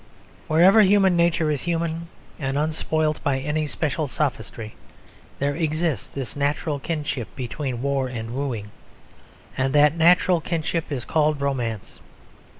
Wherever human nature is human and unspoilt by any special sophistry, there exists this natural kinship between war and wooing, and that natural kinship is called romance.